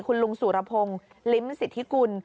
คุณลุงสุรพงศ์ลิ้มสิทธิกุล